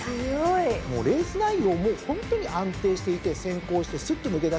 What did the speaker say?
レース内容もホントに安定していて先行してすっと抜け出してくる。